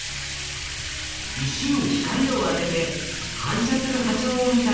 石に光を当てて反射する波長を見たデータがこちら。